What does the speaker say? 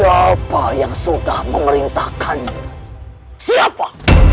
siapa yang sudah memerintahkannya siapa